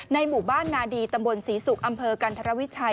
หมู่บ้านนาดีตำบลศรีศุกร์อำเภอกันธรวิชัย